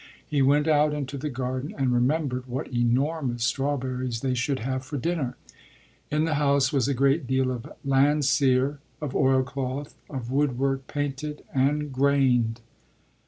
He went out into the garden and remembered what enormous strawberries they should have for dinner. In the house was a great deal of Landseer, of oilcloth, of woodwork painted and "grained."